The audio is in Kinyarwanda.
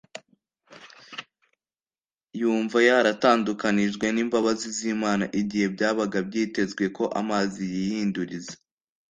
yumva yaratandukanijwe n’imbabazi z’Imana. Igihe byabaga byitezwe ko amazi yihinduriza,